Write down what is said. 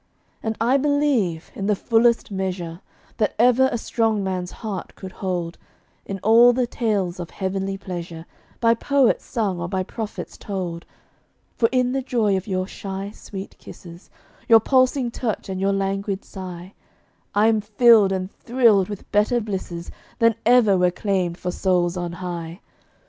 And I believe, in the fullest measure That ever a strong man's heart could hold, In all the tales of heavenly pleasure By poets sung or by prophets told; For in the joy of your shy, sweet kisses, Your pulsing touch and your languid sigh I am filled and thrilled with better blisses Than ever were claimed for souls on high.